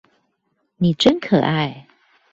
你真可愛